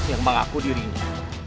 yang mengaku dirinya